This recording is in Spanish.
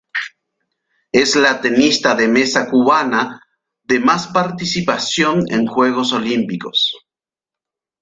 Es la tenista de mesa cubana de más participación en Juegos Olímpicos.